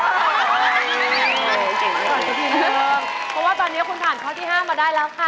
เพราะว่าตอนนี้คุณถามข้อที่๕มาได้แล้วค่ะ